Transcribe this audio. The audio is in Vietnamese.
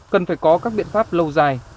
cần phải có các biện pháp lâu dài